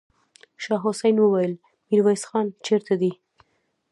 شاه حسين وويل: ميرويس خان چېرته دی؟